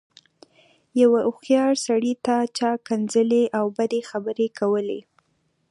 يوه هوښيار سړي ته چا ښکنځلې او بدې خبرې کولې.